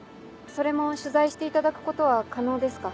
それも取材していただくことは可能ですか？